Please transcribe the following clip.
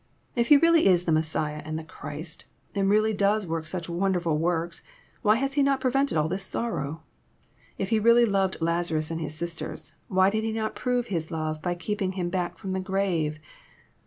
If He really is the Messiah and the Christ, and really does work such wonder ful works, why has He not prevented all this sorrow ? If He really loved Lazarus and his sisters, why did He not prove His love by keeping him back from the grave